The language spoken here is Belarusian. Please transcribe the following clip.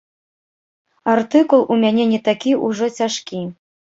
Артыкул у мяне не такі ўжо цяжкі.